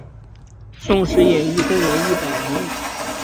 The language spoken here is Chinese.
宋史演义共有一百回。